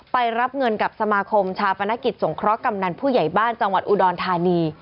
ไปรับเงินกับสมาคมชาปนกิจสงเคราะห์กำนันผู้ใหญ่บ้านจังหวัดอุดรธานี